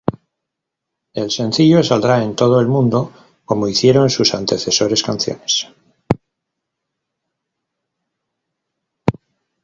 El sencillo saldrá en todo el mundo, como hicieron sus antecesores canciones.